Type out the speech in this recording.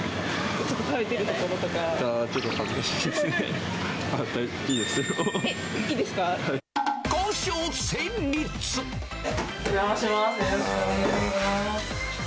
お邪魔します。